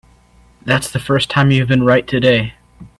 That's the first time you've been right today.